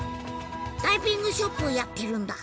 ダイビングショップをやってるんだ。